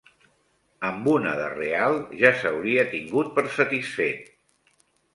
Amb una de real ja s'hauria tingut per satisfet